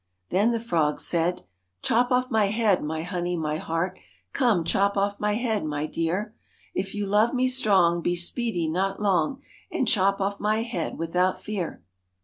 Then the frog said 4 Chop off my head, my honey, my heart, Come, chop off my head, my dear. If you love me strong, be speedy, not long, And chop off my head without fear.'